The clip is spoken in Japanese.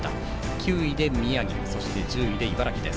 ９位で宮城、１０位で茨城です。